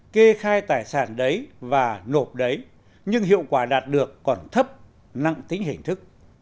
kê khai tài sản đấy và nộp đấy nhưng hiệu quả đạt được còn thấp nặng tính hình thức